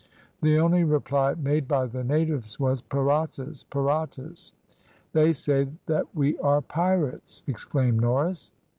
The only reply made by the natives was, "Piratas! piratas!" "They say we are pirates!" exclaimed Norris.